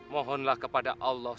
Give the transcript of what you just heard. mohonlah kepada allah